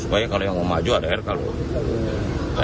supaya kalau yang mau maju ada rk loh